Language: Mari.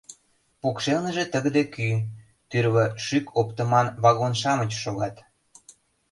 Покшелныже тыгыде кӱ, тӱрлӧ шӱк оптыман вагон-шамыч шогат.